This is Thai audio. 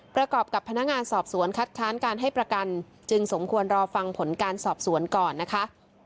ประกอบกับพนักงานสอบสวนคัดค้านการให้ประกันจึงสมควรรอฟังผลการสอบสวนก่อนนะคะ